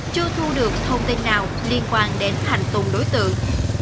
chưa thu được thông tin nào liên quan đến hành tùng đối tượng